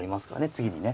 次にね。